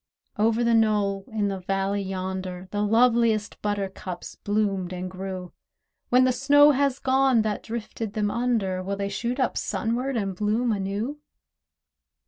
Over the knoll in the valley yonder The loveliest buttercups bloomed and grew; When the snow has gone that drifted them under, Will they shoot up sunward, and bloom anew?